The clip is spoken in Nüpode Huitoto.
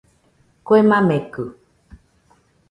Kue makekɨ